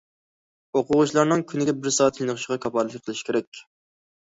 ئوقۇغۇچىلارنىڭ كۈنىگە بىر سائەت چېنىقىشىغا كاپالەتلىك قىلىش كېرەك.